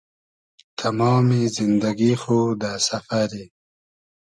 تئمامی زیندئگی خو دۂ سئفئرۂ